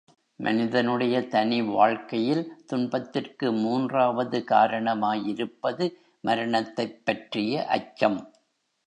மனிதனுடைய தனி வாழ்க்கையில் துன்பத்திற்கு மூன்றாவது காரணமா யிருப்பது மரணத்தைப் பற்றிய அச்சம்.